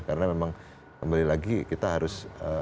karena memang kembali lagi kita harus